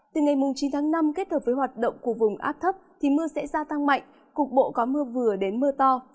từ ngày chín tháng năm kết hợp với hoạt động của vùng áp thấp thì mưa sẽ gia tăng mạnh cục bộ có mưa vừa đến mưa to